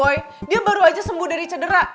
dia baru aja sembuh dari cedera